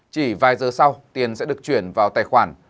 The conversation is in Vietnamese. chỉ vài giờ sau tiền sẽ được chuyển vào tài khoản